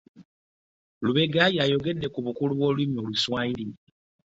Lubega yayogedde ku bukulu bw'olulimi Oluswayiri.